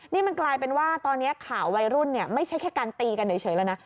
นี่มันกลายเป็นว่าตอนนี้ข่าววัยรุ่นไม่ใช่แค่การตีกันเฉยแล้วนะ